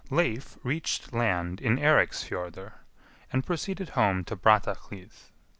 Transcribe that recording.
Leif reached land in Eiriksfjordr, and proceeded home to Brattahlid.